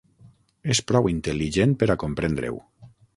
És prou intel·ligent per a comprendre-ho.